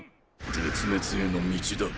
絶滅への道だ。